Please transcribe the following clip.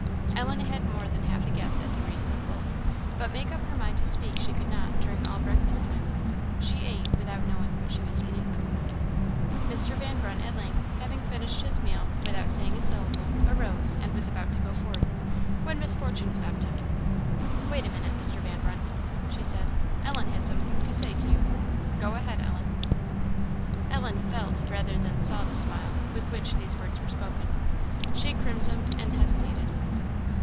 Ellen had more than half a guess at the reason of both; but make up her mind to speak she could not, during all breakfast time. She ate, without knowing what she was eating. Mr. Van Brunt at length, having finished his meal, without saying a syllable, arose, and was about to go forth, when Miss Fortune stopped him. "Wait a minute, Mr. Van Brunt," she said; "Ellen has something to say to you. Go ahead, Ellen." Ellen felt rather than saw the smile with which these words were spoken. She crimsoned and hesitated.